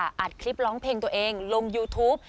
อัดคลิปร้องเพลงตัวเองลงยูทูป